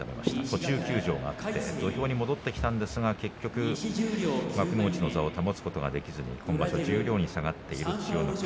途中休場があって土俵に戻ってきたんですが、結局幕内の座を保つことができずに今場所、十両に下がっている千代の国。